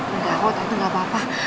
enggak aku tau itu enggak apa apa